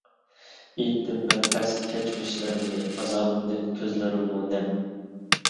ئېيتتىم بىر پەس كەچمىشلىرىمنى، ئازابىمدىن كۆزلىرىممۇ نەم.